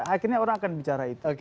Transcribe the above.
akhirnya orang akan bicara itu